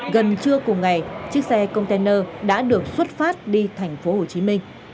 gần trưa cùng ngày chiếc xe container đã được xuất phát đi tp hcm